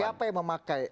siapa yang memakai